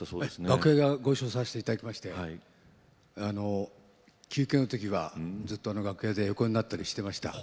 楽屋がご一緒させて頂きまして休憩の時はずっと楽屋で横になったりしてました。